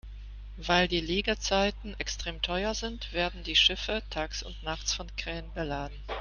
Weil die Liegezeiten extrem teuer sind, werden die Schiffe tags und nachts von Kränen beladen.